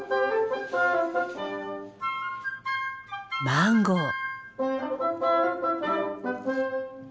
マンゴー。